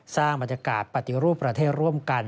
สร้างบรรยากาศปฏิรูปประเทศร่วมกัน